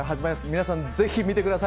皆さん、ぜひ見てください。